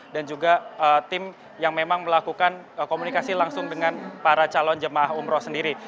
dan juga tim yang memang melakukan komunikasi langsung dengan para calon jemaah umroh sendiri